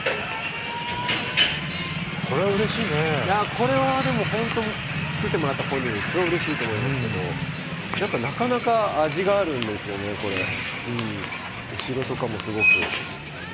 これは作ってもらった本人が一番うれしいと思いますけど、なかなか味があるんですよね、これ後ろとかもすごく。